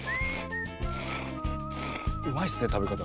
うまいっすね食べ方。